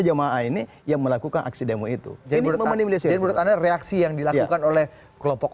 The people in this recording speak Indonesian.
jamaah ini yang melakukan aksi demo itu jadi menurut anda reaksi yang dilakukan oleh kelompok